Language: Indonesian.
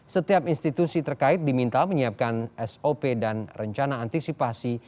setiap institusi terkait diminta menyiapkan sop dan rencana antisipasi